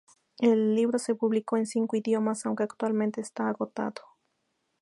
El libro se publicó en cinco idiomas aunque actualmente está agotado.